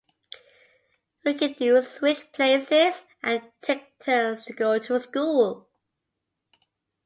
We can do switch places and take turns to go to school.